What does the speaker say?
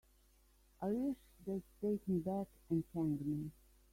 I wish they'd take me back and hang me.